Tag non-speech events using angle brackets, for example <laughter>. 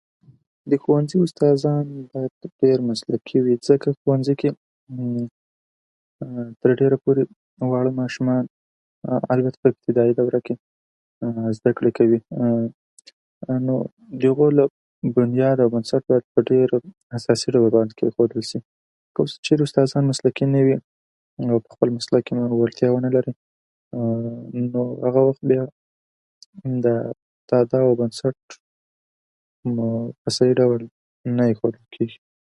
د ښوونځي استادان باید ډېر مسلکي وي، ځکه ښوونځي کې تر ډېره پورې واړه ماشومان، البته په ابتدايي دوره کې، زده کړې کوي. <hesitation> نو د هغو لپاره بنیاد او بنسټ باید په ډېر اساسي ډول باندې کېښودل شي. که اوس چېرې استادان مسلکي نه وي، نو نو په خپل مسلک کې دومره وړتیا ونه لري، نو هغه وخت بیا د تهداب او بنسټ په صحيح ډول نه ایښودل کېږي.